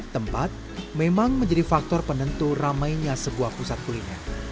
tempat memang menjadi faktor penentu ramainya sebuah pusat kuliner